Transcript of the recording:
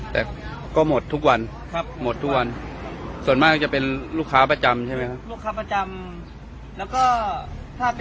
แต่ก็หมดทุกวันส่วนมากจะเป็นลูกค้าประจำใช่ไหมครับ